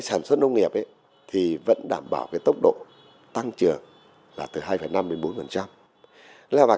sản xuất nông nghiệp vẫn đảm bảo tốc độ tăng trưởng là từ hai năm đến bốn